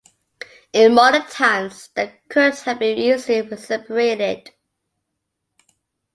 In modern times, they could have been easily separated.